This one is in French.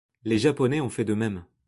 Les Japonais ont fait de même.